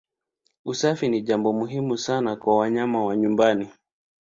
Usafi ni jambo muhimu sana kwa wanyama wa nyumbani.